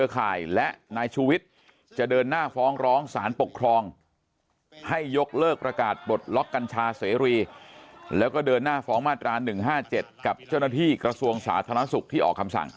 การปกครองให้ยกเลิกประกาศบทล็อคกัญชาเสรีแล้วก็เดินหน้าฟ้องมาตรา๑๕๗กับเจ้าหน้าที่กระทรวงสาธารณสุขที่ออกคำสั่ง